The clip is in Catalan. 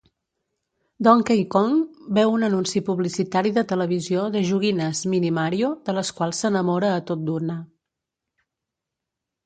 Donkey Kong veu un anunci publicitari de televisió de joguines Mini-Mario, de les quals s'enamora a tot d'una.